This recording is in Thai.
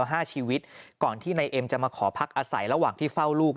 ห้าชีวิตก่อนที่นายเอ็มจะมาขอพักอาศัยระหว่างที่เฝ้าลูก